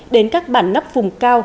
đến các bản nắp vùng cao